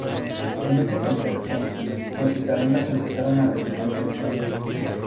En ese contexto, los italianos empezaron a recibir presiones.